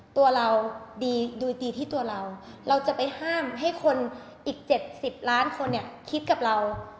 ตัวเราดีที่ตัวเราเราจะไปห้ามให้คนอีก๗๐ล้านคนเนี่ยคิดกับเรา